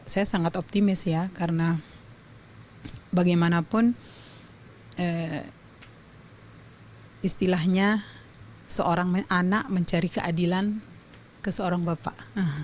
saya sangat optimis ya karena bagaimanapun istilahnya seorang anak mencari keadilan ke seorang bapak